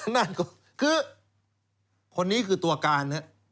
นั่นก็คือคนนี้คือตัวการ